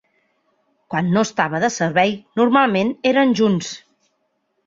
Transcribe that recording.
Quan no estava de servei, normalment, eren junts.